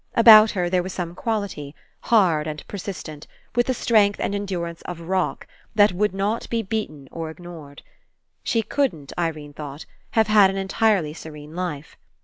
About her there was some quality, hard and persistent, 132 RE ENCOUNTER with the strength and endurance of rock, that would not be beaten or ignored. She couldn't, Irene thought, have had an entirely serene life.